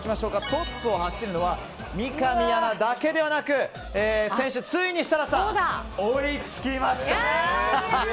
トップを走るのは三上アナだけではなく先週、ついに設楽さん追いつきました！